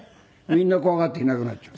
みんな怖がっていなくなっちゃう。